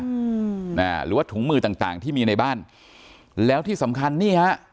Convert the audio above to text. อืมอ่าหรือว่าถุงมือต่างต่างที่มีในบ้านแล้วที่สำคัญนี่ฮะ